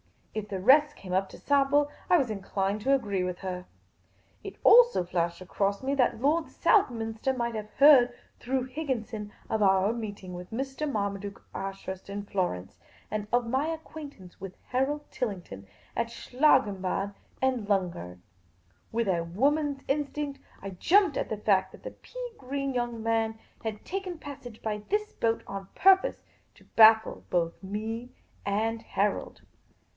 If the rest came up to sample, I was inclined to agree with her. It also flashed across me that Lord Southminster nn'ght have heard through Higginson of our meeting with Mr. Marmaduke Ashurst at Florence, and of my acquaintance with Harold Tillington at Schlangenbad and Lungern. With a woman's instinct, I jumped at the fact that the pea green young man had taken passage by this boat, on pur pose to baffle both me and Harold.